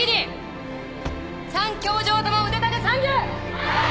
はい！